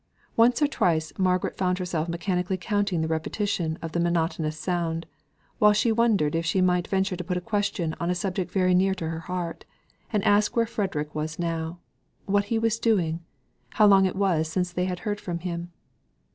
Once or twice Margaret found herself mechanically counting the repetition of the monotonous sound, while she wondered if she might venture to put a question on a subject very near to her heart, and ask where Frederick was now; what he was doing; how long it was since they had heard from him.